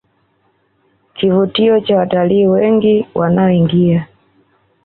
kivutio cha watalii wengi wanaoingia